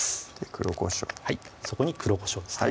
黒こしょうはいそこに黒こしょうですね